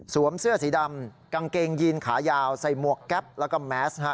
เสื้อสีดำกางเกงยีนขายาวใส่หมวกแก๊ปแล้วก็แมสฮะ